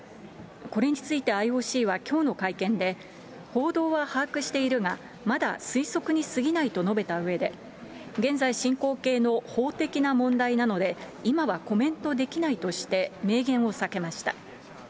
これについてＩＯＣはきょうの会見で、報道は把握しているが、まだ推測にすぎないと述べたうえで、現在進行形の法的な問題なので、今はコメントできないとして、明言を避けました。